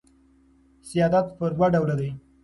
سیادت پر دوه ډوله دئ.